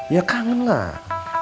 ya kangen lah